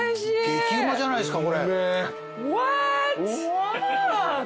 激うまじゃないですかこれ。